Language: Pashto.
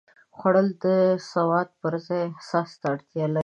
خوړل د سواد پر ځای احساس ته اړتیا لري